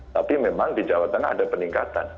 tapi memang di jawa tengah ada peningkatan